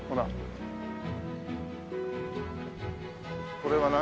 これは何？